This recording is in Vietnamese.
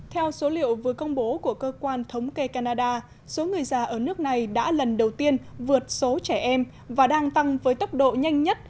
theo số liệu vừa công bố của cơ quan thống kê canada số người già ở nước này đã lần đầu tiên vượt số trẻ em và đang tăng với tốc độ nhanh nhất